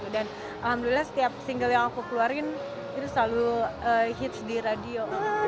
dan alhamdulillah setiap single yang aku keluarin itu selalu hits di radio